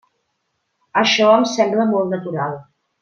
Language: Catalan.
Això em sembla molt natural.